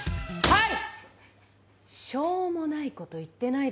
はい！